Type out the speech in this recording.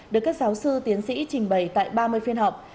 được các giáo sư tiến sĩ trình bày tại ba mươi phiên họp